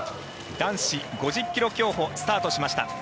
男子５０ｋｍ競歩スタートしました。